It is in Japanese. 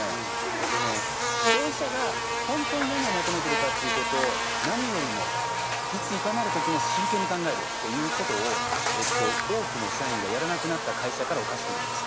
えっとね消費者が本当に何を求めてるかっていうことを何よりもいついかなる時も真剣に考えるっていうことを多くの社員がやらなくなった会社からおかしくなります。